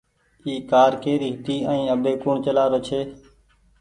اي ڪآر ڪيري هيتي ائين اٻي ڪوڻ چلآرو ڇي۔